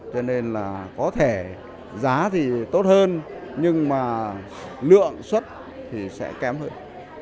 cho nên là có thể giá thì tốt hơn nhưng mà lượng xuất thì sẽ kém hơn